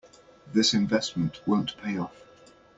This investment won't pay off.